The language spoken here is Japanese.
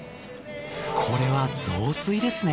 これは雑炊ですね。